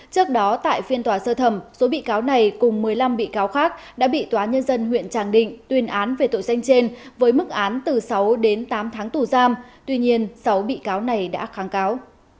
trước đó tại phiên tòa sơ thẩm số bị cáo này cùng một mươi năm bị cáo khác đã bị tòa nhân dân huyện tràng định tuyên án về tội danh trên với mức án từ sáu đến tám tháng tù giam tuy nhiên sáu bị cáo này đã kháng cáo